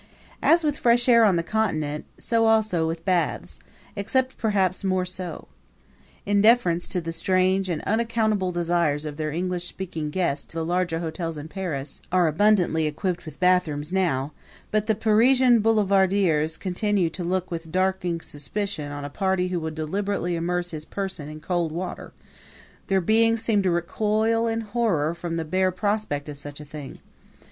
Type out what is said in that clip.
As with fresh air on the Continent, so also with baths except perhaps more so. In deference to the strange and unaccountable desires of their English speaking guests the larger hotels in Paris are abundantly equipped with bathrooms now, but the Parisian boulevardiers continue to look with darkling suspicion on a party who will deliberately immerse his person in cold water; their beings seem to recoil in horror from the bare prospect of such a thing.